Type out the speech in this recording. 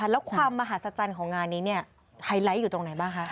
๗๐๐๐๐แล้วความมหาศักดิ์ชันตร์ของงานนี้นี่ไฮไลท์อยู่ตรงไหนบ้างคะ